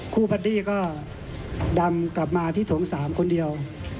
คู่ปฏิก็ดำกลับมาที่ถงสามคนเดียว